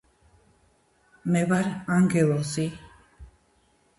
მე ვარ ანგელოზი